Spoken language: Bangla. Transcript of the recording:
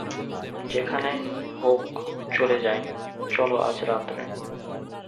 যেখানে হোক চলে যাই চলো আজ রাত্রে।